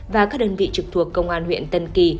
và các đơn vị trực thuộc công an huyện tân kỳ